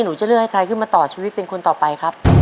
หนูจะเลือกให้ใครขึ้นมาต่อชีวิตเป็นคนต่อไปครับ